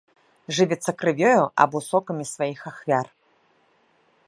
Жывяцца крывёю або сокамі сваіх ахвяр.